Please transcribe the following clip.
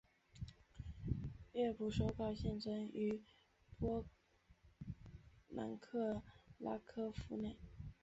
乐谱手稿现存于波兰克拉科夫内。